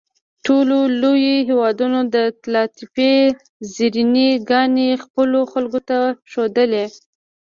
ټولو لویو هېوادونو د طلاتپې زرینې ګاڼې خپلو خلکو ته ښودلې.